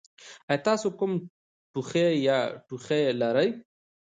ایا تاسو کوم ټوخی یا ټوخی لرئ؟